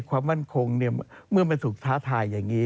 ความมั่นคงเมื่อมันถูกท้าทายอย่างนี้